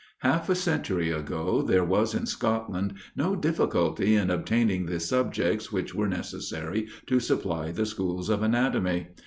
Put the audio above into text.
Half a century ago there was in Scotland no difficulty in obtaining the subjects which were necessary to supply the schools of anatomy.